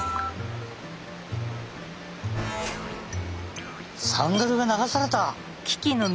サンダルが流された！